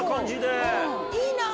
いいな。